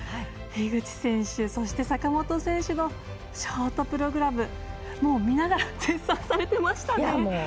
樋口選手、坂本選手のショートプログラムもう見ながら絶賛されてましたね。